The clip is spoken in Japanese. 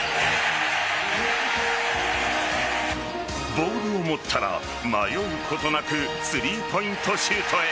ボールを持ったら迷うことなくスリーポイントシュートへ。